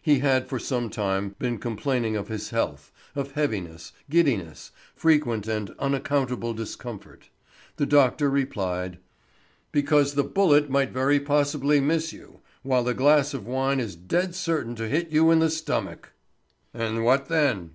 He had for some time been complaining of his health, of heaviness, giddiness, frequent and unaccountable discomfort. The doctor replied: "Because the bullet might very possibly miss you, while the glass of wine is dead certain to hit you in the stomach." "And what then?"